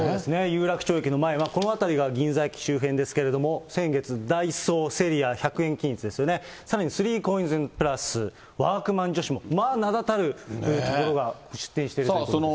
有楽町駅の前は、この辺りが銀座駅周辺ですけれども、先月、ダイソー、セリア、１００円均一ですよね、さらに３コインズプラス、ワークマン女子も、まあ名だたるところが出店しているということです。